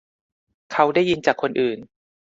เขาได้ยินจากคนอื่น